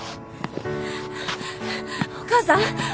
お母さん？